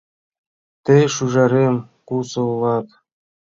— Тый, шӱжарем, кусо улат?